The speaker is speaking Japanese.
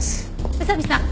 宇佐見さん